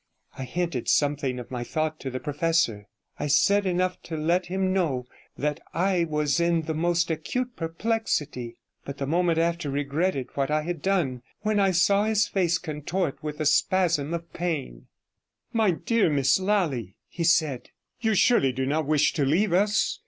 I hinted something of my thought to the professor; I said enough to let him know that I was in the most acute perplexity, but the moment after regretted what I had done when I saw his face contort with a spasm of pain. 'My dear Miss Lally,' he said, 'you surely do not wish to leave us?